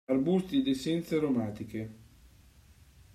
Arbusti ed essenze aromatiche.